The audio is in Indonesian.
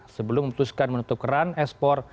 sebelum memutuskan menutup keran ekspor